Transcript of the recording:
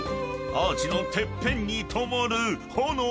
アーチのてっぺんに灯る炎］